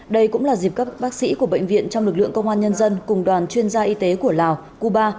đây cũng là dịp các bác sĩ của bệnh viện trong lực lượng công an nhân dân cùng đoàn chuyên gia y tế của lào cuba